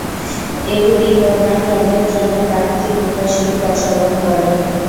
এগুলি বন্যার জলের জন্য প্রাকৃতিক নিকাশী পথ সরবরাহ করে।